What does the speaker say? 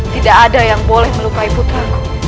tidak ada yang boleh melukai putra ku